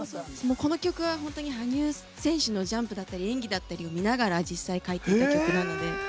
この曲は本当に羽生選手のジャンプだったり演技を実際に見ながら書いていた曲だったので。